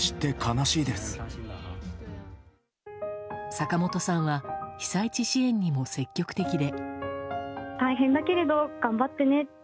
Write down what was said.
坂本さんは被災地支援にも積極的で。